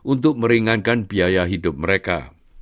untuk meringankan biaya hidup mereka